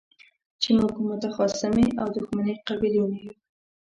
چې موږ متخاصمې او دښمنې قبيلې نه يو.